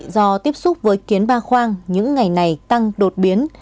do tiếp xúc với kiến ba khoang những ngày này tăng đột biến